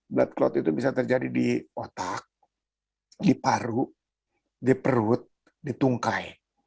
blood clot itu bisa terjadi di otak di paru di perut di tungkai